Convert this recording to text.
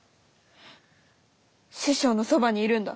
師匠のそばにいるんだ。